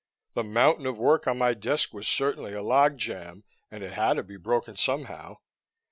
The mountain of work on my desk was certainly a log jam, and it had to be broken somehow.